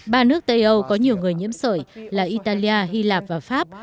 ba nước tây âu có nhiều người nhiễm sởi là italia hy lạp và pháp